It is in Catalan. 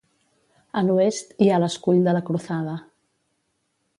A l'oest hi ha l'escull de la Cruzada.